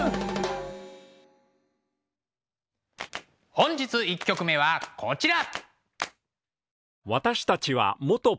本日１曲目はこちら。